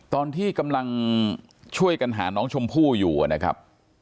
ตอนที่กำลังช่วยกันหาน้องชมพู่อยู่นะครับ